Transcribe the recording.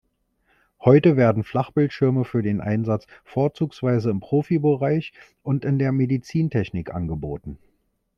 Heute werden Flachbildschirme für den Einsatz vorzugsweise im Profibereich und in der Medizintechnik angeboten.